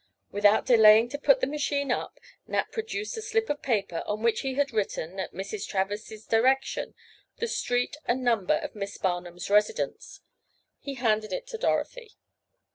Without delaying to put the machine up, Nat produced a slip of paper upon which he had written, at Mrs. Travers's direction, the street and number of Miss Barnum's residence. He handed it to Dorothy.